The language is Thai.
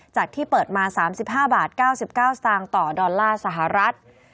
ที่เปิดมา๓๕บาท๙๙สตางค์ต่อดอลลาร์สหรัฐ